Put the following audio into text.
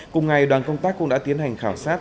cùng ngày đoàn công tác cũng đã tiến hành khảo sát